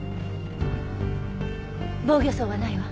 防御創はないわ。